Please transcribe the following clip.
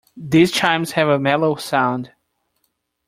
These chimes have a mellow sound.